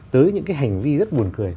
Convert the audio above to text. tới những cái hành vi rất buồn cười